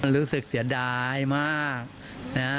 รู้สึกเสียดายมากนะ